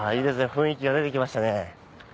雰囲気が出てきましたね。